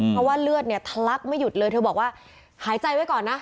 เพราะว่าเลือดเนี่ยทะลักไม่หยุดเลยเธอบอกว่าหายใจไว้ก่อนนะ